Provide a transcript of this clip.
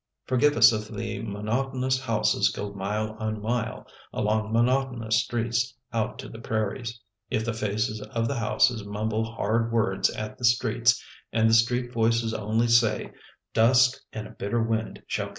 Forgive us if the monotonous houses go mile on mile Along monotonous streets out to the prairies — If the faces of the houses mumble hard words At the streets — and the street voices only say: " Dust and a bitter wind shall come."